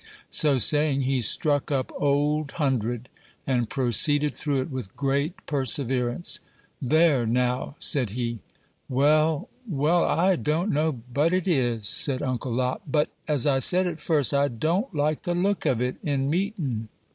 So saying, he struck up Old Hundred, and proceeded through it with great perseverance. "There, now!" said he. "Well, well, I don't know but it is," said Uncle Lot; "but, as I said at first, I don't like the look of it in meetin'."